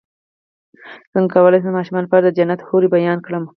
څنګه کولی شم د ماشومانو لپاره د جنت حورې بیان کړم